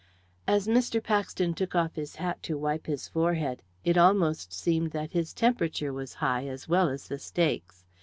As Mr. Paxton took off his hat to wipe his forehead it almost seemed that his temperature was high as well as the stakes.